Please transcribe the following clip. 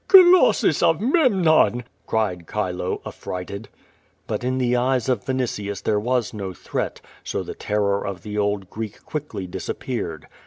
"Colossus of Memnon!" cried Chilo, affrighted. But in the eyes of Yinitius there was no threat, so the ter ror of t'he old Greek quickly disappeared.